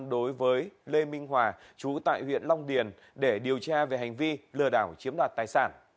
đối với lê minh hòa chú tại huyện long điền để điều tra về hành vi lừa đảo chiếm đoạt tài sản